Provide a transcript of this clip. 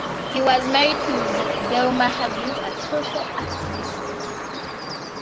He was married to Thelma Huggins, a social activist.